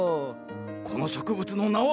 この植物の名は？